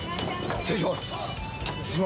失礼します。